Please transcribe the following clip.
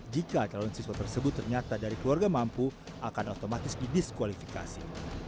jika calon siswa tersebut ternyata dari keluarga mampu akan otomatis didiskualifikasi